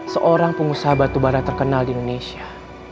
seorang pengusaha batu bara terkenal di indonesia